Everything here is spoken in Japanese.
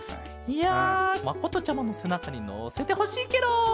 いやまことちゃまのせなかにのせてほしいケロ！